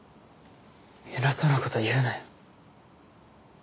偉そうな事言うなよ。